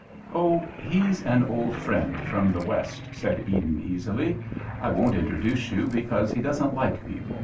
"Oh, he's an old friend from the West," said Eden easily. "I won't introduce you, because he doesn't like people.